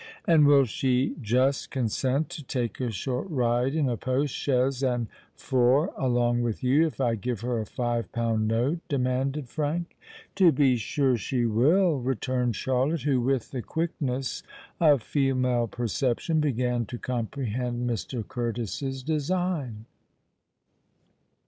"And will she just consent to take a short ride in a post chaise and four along with you, if I give her a five pound note?" demanded Frank. "To be sure she will," returned Charlotte, who, with the quickness of female perception, began to comprehend Mr. Curtis's design.